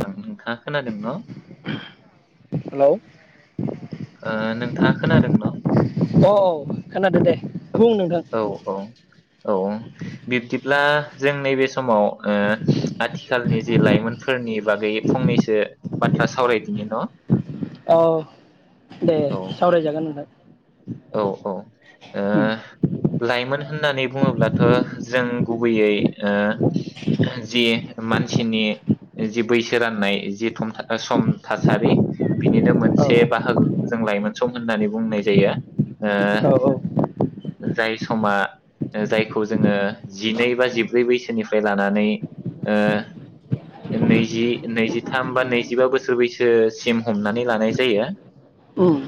[unintelligible] खोनादों न' हेलौ। ओ नोंथाङा खोनादों न' औ औ खोनादों दे। बुं नोंथां औ औ औ बिब्दिब्ला जों नैबे समाव ओ आथिखालनि जि लाइमोनफोरनि बागै फंनैसो बाथ्रा सावरायदिनि न' औ दे सावरायजागोन नोंथां। औ औ ओ लाइमोन होननानै बुङोब्लाथ जों गुबैयै ओ जि मानसिनि जि बैसो राननाय जि थम सम थासारि बिनिनो औ मोनसे बाहागोखौ जों लाइमोन सम होननानै बुंनाय जायो ओ औ औ। जाय समा जायखौ जोङो जिनै बा जिब्रै बैसोनिफ्राय लानानै ओ नैजि नैजिथाम बा नैजिबा बोसोर बैसोसिम हमनानै लानाय जायो उम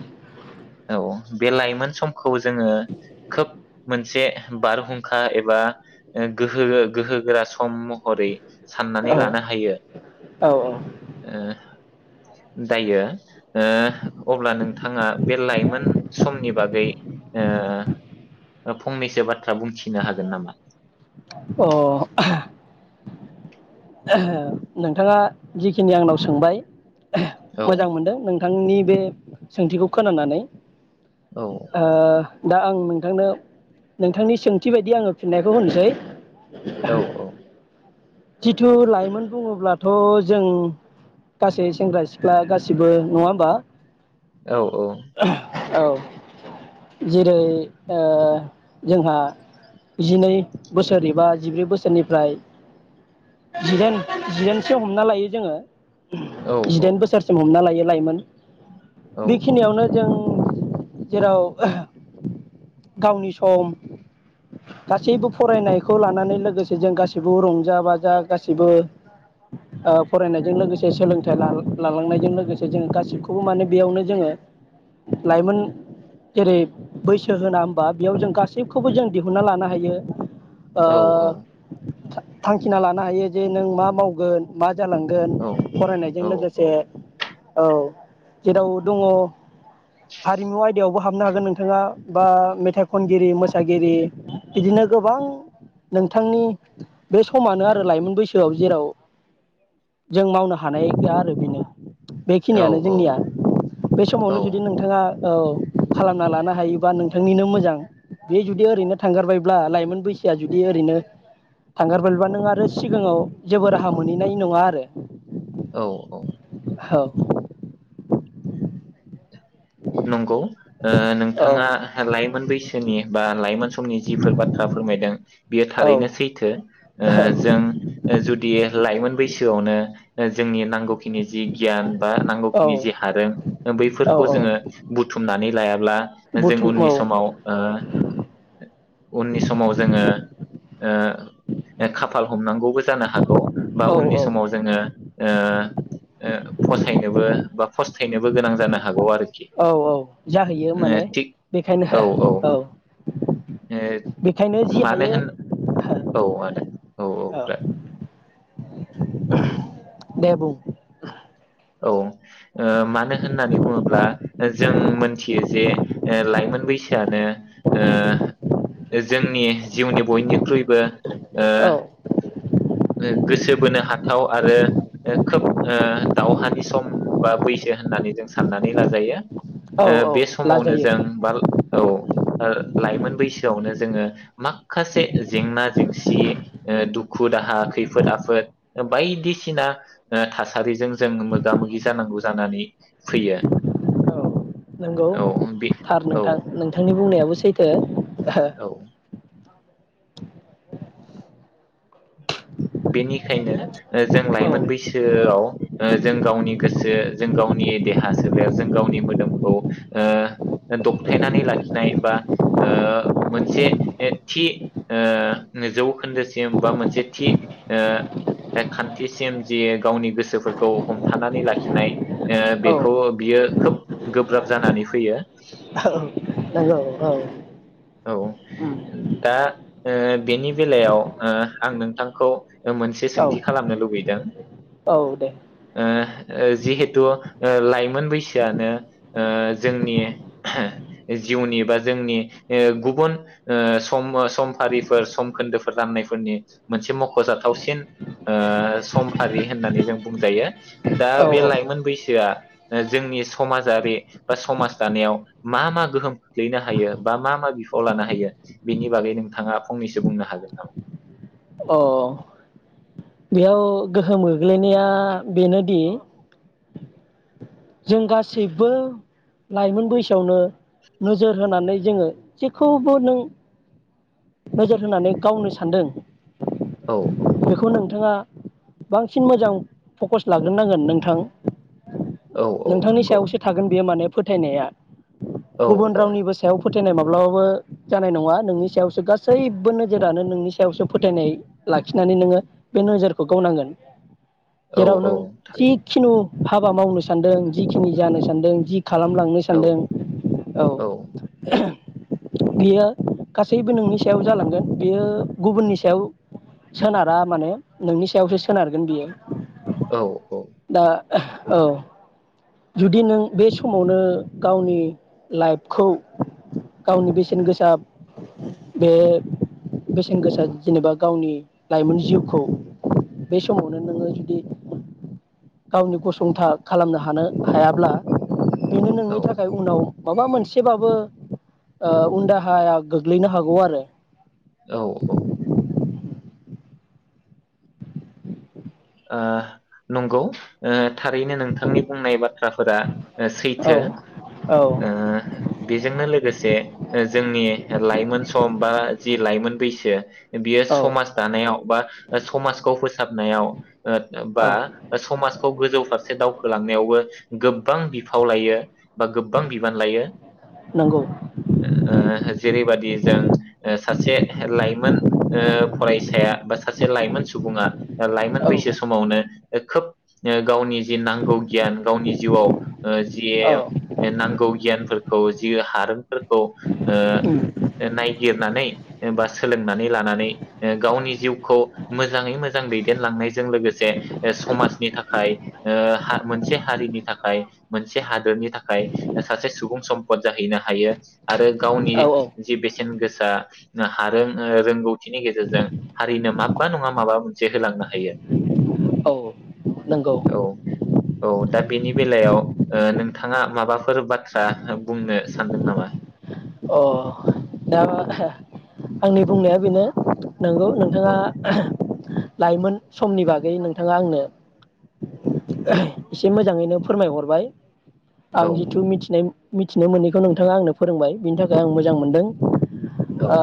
औ बे लाइमोन समखौ जोङो खोब मोनसे बारहुंखा एबा गोहो गोहोगोरा सम महरै साननानै औ लानो हायो ओ दायो अब्ला नोंथाङा बे लाइमोन समनि बागै ओ फंनैसो बाथ्रा बुंथिनो हागोन नामा औ अ नोंथाङा जिखिनि आंनाव सोंबाय औ मोजां मोनदों नों। बिथांनि बे सोंथिखौ खोनानानै औ आ। दा आं नोंथांनो नोंथांनि सोंथि बायदि आङो फिननायखौ होनोसै औ औ। जिथु लाइमोन बुङोब्लाथ जों गासै सेंग्रा सिख्ला गासिबो नङा होमबा औ औ। औ [inaudible] जेरै ओ जोंहा जिनै बोसोर एबा जिब्रै बोसोरनिफ्राय जिदाइन जिदाइनसो हमना लायो जोङो औ जिदाइन बोसोरसिम हमना लायो लायमोन औ बेखिनियावनो जों जेराव गावनि सम गासैबो फरायनायखौ लानानै लोगोसे जों गासैबो रंजा बाजा गासैबो फरायनायजों लोगोसे सोलोंथाइ लालांनायजों लोगोसे जों गासैखौबो माने बेयावनो जोङो लाइमोन जेरै बैसो होना ओनबा बेयाव जों गासैखौबो जों दिहुनना लानो हायो। ओ औ औ थांखिना लानो हायो जे नों मा मावगोन मा जालांगोन औ फरायनायजों लोगोसे औ जेराव दङ हारिमु आयदायावबो हाबनो हागोन नोंथाङा बा मेथाइ खनगिरि मोसागिरि बिदिनो गोबां नोंथांनि बे समानो आरो लाइमोन बैसोआव जेराव जों मावनो हानाय गैया आरो बेनो। औ बेखिनियानो जोंनिया बे समावनो जुदि नोंथाङा औ। खालामना लानो हायोबा नोंथांनिनो मोजां बे जुदि ओरैनो थांगारबायब्ला लाइमोन बैसोआ जुदि ओरैनो थांगारबायब्ला नों आरो सिगाङाव जेबो राहा मोनहैनाय नङा आरो। औ औ। औ। नंगौ। ओ औ नोंथाङा लाइमोन बैसोनि बा लाइमोन समनि जिफोर बाथ्रा फोरमायदों बियो औ थारैनो सैथो ओ जों जुदि लाइमोन बैसोआवनो जोंनि नांगौखिनि जि गियान बा औ नांगौखिनि जि हारों औ बैफोरखौ औ जोङो बुथुमनानै लाया ब्ला जों बुथुम औ उननि समाव ओ उननि समाव जोङो ओ खाफाल हमनांगौबो जानो हागौ बा औ उननि औ समाव जोङो ओ ओ फसायनोबो बा फसथायनोबो गोनां जानो हागौ आरोखि। औ औ जाहैयो ओ माने थिग बेखायनो औ ओ बेखायनो जि मानो हायो होन औ आदा औ। ब्रा दे बुं। औ ओ मानो होननानै बुङोब्ला ओ जों मोनथियो जे ओ लाइमोन बैसोआनो ओ जोंनि जिउनि बयनिख्रुइबो ओ। औ ओ गोसो बोनो हाथाव आरो ओ खोब ओ दावहानि सम बा बैसो होननानै जों साननानै लाजायो। औ ओ औ बे समावनो लाजायो जों बा औ। ओ लाइमोन बैसोआवनो जोङो माखासे जेंना जेंसि ओ दुखु दाहा खैफोद आफोद ओ बायदिसिना ओ थासारिजों जों मोगा मोगि जानांगौ जानानै फैयो। नोंगौ औ बे थार औ नोंथां नोंथांनि बुंनायाबो सैथो। औ [inaudible] बेनिखायनो ओ जों औ लाइमोन बैसोआव ओ जों गावनि गोसो जों गावनि देहा सोलेर जों गावनि मोदोमखौ ओ दबथायनानै लाखिनाय बा ओ मोनसे एथि ओ जौखोन्दोसिम बा मोनसे थि ओ खान्थिसिम जि गावनि गोसोफोरखौ हमथानानै लाखिनाय ओ औ बेखौ बियो खोब गोब्राब जानानै फैयो। नोंगौ औ औ दा ओ बेनि बेलायाव ओ आं नों थांखौ ओ मोनसे औ सोंथि खालामनो लुबैदों। औ दे ओ ओ जिहेथु ओ लाइमोन बैसोआनो ओ जोंनि जिउनि बा जोंनि ओ गुबुन ओ सम समफारिफोर सम खोन्दोफोर राननायफोरनि मोनसे मख'जाथावसिन ओ सम आरि होननानै जों बुंजायो। दा औ बे औ लाइमोन बैस जो आ ओ जोंनि समाजारि बा समाज दानायाव मा मा गोहोम खोख्लैनो हायो बा मा मा बिफाव लानो हायो बेनि बागै नोंथाङा फंनैसो बुंनो हागोन नामा? अ बेयाव गोहोम गोग्लैनाया बेनोदि जों गासैबो लाइमोन बैसोआवनो नोजोर होनानै जोङो जेखौबो नों नोजोर होनानै गावनो सानदों औ औ बेखौ नोंथाङा बांसिन मोजां फकास लाग्रो नांगोन नोंथां। औ औ नोंथांनि नंगौ सायावसो थागोन बेयो माने फोथायनाया औ गुबुन औ रावनिबो सायाव फोथ थेनाय माब्लाबाबो जानाय नङा नोंनि सायाव सो गासैबो नोजोरानो नोंनि सायावसो फोथायनाय लाखिनानै नोङो बे नोजोरखौ गावनांगोन। औ जेराव औ नों थारैनो जिखिनु हाबा मावनो सानदों जिखिनि जानो सानदों जि खालामलांनो औ सानदों औ बियो गास सैबो नोंनि सायाव जालांगोन बियो गुबुननि सायाव सोनारा माने नोंनि सायावसो सोनारगोन बियो। औ अ दा औ जुदि नों बे समावनो गावनि लाइफखौ गावनि बेसेन गोसा बे बेसेन गोसा जेनेबा गावनि लाइमोन जिउखौ बे समावनो नोङो जुदि गावनि गसंथा खालामनो हानो हायाब्ला बेनो औ नोंनि थाखाय उनाव माबा मोनसेबाबो ओ उन दाहाया गोग्लैनो हागौ आरो औ अ ओ नंगौ ओ थारैनो नोंथांनि बुंनाय बाथ थाफोरा ओ औ सैथो ओ बेजोंनो लोगोसे ओ जोंनि लाइमोन सम बा जि लाइमोन बैसो बियो औ समाज दानायाव बा ओ समाजखौ फोस साबनायाव बा औ समाजखौ गोजौ फारसे से दावखोलांनायावबो गो बां बिफाव लायो बा गोबां बिबान लायो नंगौ ओ जेरैबादि जों ओ सासे लाइमोन ओ फरायसाया बा सासे लाइमोन सुबुङा लाइमोन औ बैसो समावनो खोब गावनि जि नांगौ गियान गावनि जिउआव ओ जि औ ओ नांगौ गियानफोर खौ जि हारोमफोरखौ ओ उम ओ नाय गिरनानै बा सोलोंनानै लानानै ओ गावनि जिउखौ मोजाङै मोजां दैदेनलांनाय जों लोगोसे ओ समाजनि थाखाय ओ हा मोनसे हारिनि थाखाय मोनसे हादोरनि थाखाय सासे सुबुं सम्पद जाहैनो हायो। आरो गावनि औ औ जि बेसेन गोसा सा हारों रोंगौथिनि गेजेरजों हारिनो माबबा नङा माबा मोनसे होलांनो हायो। औ नंगौ औ औ दा बेनि बेलायाव ओ नोंथाङा माबाफोर बाथ्रा बुंनो सानदों नामा? अ दा आंनि बुंनाया बेनो नंगौ औ नोंथाङा लाइमोन समनि बागै नोंथाङा आंनो एसे मोजाङैनो फोरमायहरबाय आं औ जिथु मिथिनाय मिथिनो मोनैखौ नोंथाङा आंनो फोरोंबाय बिनि थाखाय आं मोजां मोनदों औ आ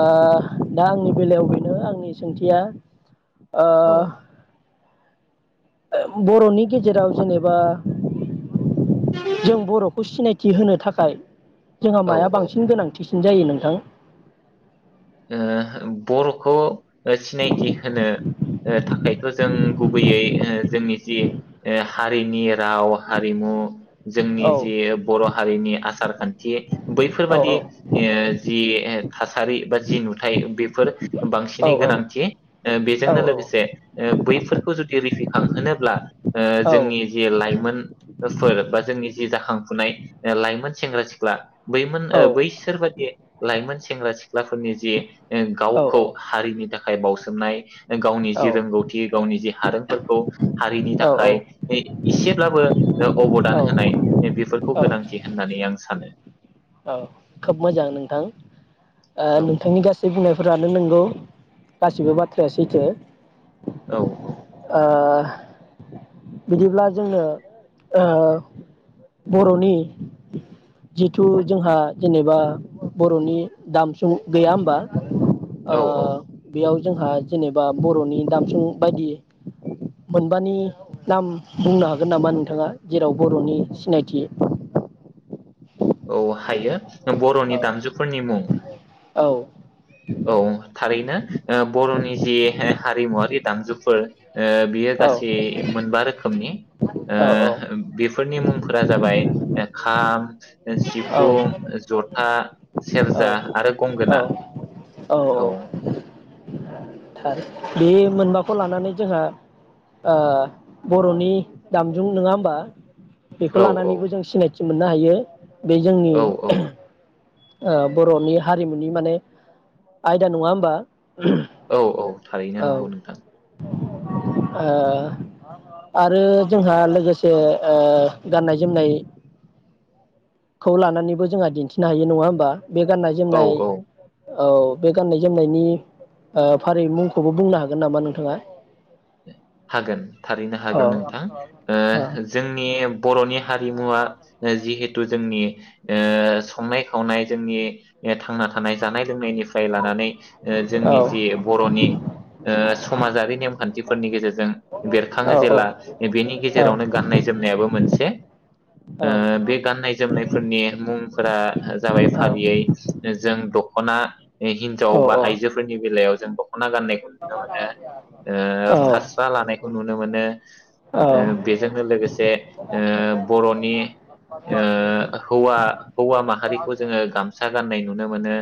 दा आंनि बेलायाव बेनो आंनि सोंथिया ओ औ बर'नि गेजेराव जेनेबा जों बर'खौ सिनायथि होनो थाखाय जोंहा औ माया बां औ थिसिन जायो नोंथां ओ बर'खौ सिनायथि होनो थाखायथ' जों गुबैयै ओ जोंनि जि ओ हारिनि राव हारिमु जोंनि औ जि बर' हारिनि आसार खान्थि औ बैफोरबादि ओ जि थासारि बा थायो बेफोर औ बांसिनै गोनांथि ओ औ बेजोंनो लोगोसे ओ बैफोरखौ जुदि रिफिद खांहोनोब्ला ओ औ जोंनि जे लाइमोनफोर बा जोंनि जे जाखांफुनाय लाइमोन सेंग्रा सिख्ला बैमोन ओ बैसोरबादि लाइमोन सेंग्रा सिख्लाफोरनि जि ओ गावखौ हारिनि था खाय बावसोमनाय गावनि जि रोंगौथि गावनि जि हारोंफोरखौ हारिनि औ थाखाय एसेब्लाबो अबदान होनाय बेफोरखौ औ गोनांथि होननानै आं सानो। औ खोब मोजां नोंथां। ओ नोंथांनि गासै बुंनाय फोरानो नंगौ गासिबो बाथ्राया सैथो। औ औ। ओ बिदिब्ला जोङो बरनि जि थु जोंहा जेनेबा बरनि दामजुं गैया होमबा? ओ औ औ बेयाव जोंहा जेनेबा बरनि दामसुं बायदि मोनबानि नाम बुंनो हागोन नामा नोंथाङा जेराव बरनि सिनायथि औ हायो औ बरनि दामजुफोरनि मुं। औ औ थारैनो ओ बर'नि जि हारिमुवारि दामजुफोर ओ बियो औ गासै मोनबा रोखोमनि औ ओ बेफोरनि मुंफोरा जाबाय- खाम सिफुं औ ओ जथा आ सेरजा आरो औ गंगोना औ औ। थार बे मोनबाखौ लानानै जोंहा ओ बरनि दामजुं नङा होमबा? बेखौ औ लानानैबो जों सिनायथि मोननो हायो। बे जोंनि औ ओ बरनि हारिमुनि माने आयदा नङा होमबा? औ औ थारैनो औ नंगौ नोंथां। ओ आरो जोंहा लोगोसे ओ गाननाय जोमनायखौ लानानैबो जोंहा दिन्थिनो हायो। नङा होनोमबा? बे गाननाय औ जोमनाय औ औ बे गाननाय जोमनायनि ओ फारियै मुंखौबो बुंनो हागोन नामा नोंथाङा? हागोन थारैनो औ हागोन नोंथां औ ओ जोंनि बरनि हारि रिमुवा जिहेथु जोंनि ओ संनाय खावनाय जोंनि ए थांना था थानाय जानाय लोंनायनिफ्राय लानानै ओ औ जोंनि जि बर'नि ओ समाजारि नेमखान्थिफोरनि गेजेरजों जों बेरखाङो औ जेला बेनि गेजेरावनो गनाय जोमनायाबो मोनसे ओ बे गाननाय जोमनायफोरनि मुंफोरा जाबाय फारियै जों द खना हिनजाव बा आइजोफोरनि बेलायाव जों द औ खौ नुनो मोनो ओ बेजोंनो लोगोसे ओ बर'नि ओ हौवा हौवा माहारिखौ जोङो गामसा गाननाय नुनो मोनो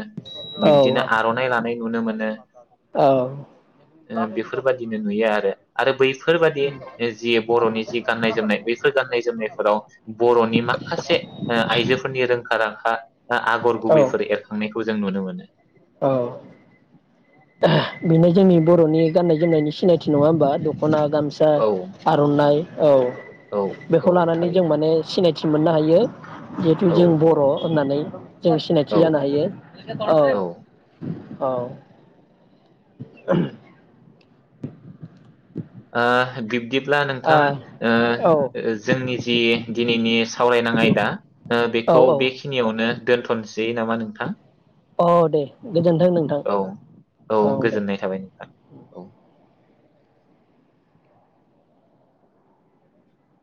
बिब्दिनो आर'नाइ लानाय नुनो मोनो ओ बेफोरबादिनो नुयो आरो आरो बै फोरबादि जि बर'नि जि गाननाय जोमनाय बैफोर गान्नाय जोमनायफोराव बर'नि माखासे ओ आइजोफोरनि रोंखा राखा ओ आगर औ गुबैफोर एरखांनायखौ जों नुनो मोनो [unintelligible] औ बेनो जोंनि बर'नि गाननाय जोमनायनि सिनायथि नङा होमबा दख खना गामसा औ आर'नाइ औ औ बेखौ औ लानानै जों थारैनो माने सिनाय थि मोननो हायो जिहेथु औ जों बर' होननानै जों सिनायथि औ जानो हायो औ औ [unintelligible] आ बिबदि ब्ला आ नोंथां औ ओ जोंनि जि दिनैनि सावरायनां आयदा ओ औ बेखौ औ बेखिनियावनो दोनथ'सै जेयो नामा नोंथां औ दे गोजोन्थों नोंथां औ औ दे गोजोननाय थाबाय नोंथां औ